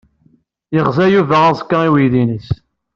Yeɣza Yuba aẓekka i uydi-nnes.